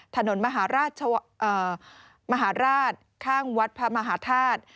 ถนนมหาราชมหาราชข้างวัดพระมหาธาตุ